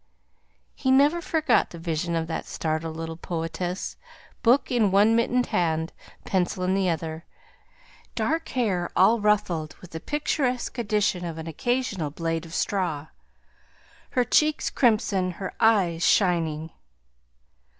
He never forgot the vision of the startled little poetess, book in one mittened hand, pencil in the other, dark hair all ruffled, with the picturesque addition of an occasional glade of straw, her cheeks crimson, her eyes shining.